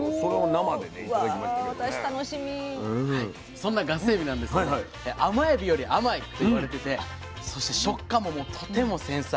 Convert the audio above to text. そんなガスエビなんですけど甘エビより甘いといわれててそして食感もとても繊細。